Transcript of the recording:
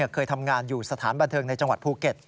เคยทำงานอยู่สถานบันเทิงในจังหวัดภูเก็ต